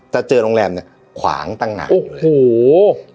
แต่เจอโรงแรมขวางตั้งหลังอยู่เลย